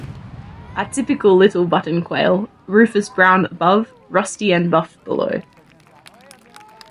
A typical little buttonquail, rufous-brown above, rusty and buff below.